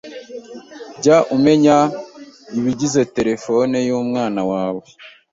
Jya umenya ibigize terefone y’umwana wawe